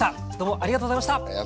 ありがとうございます。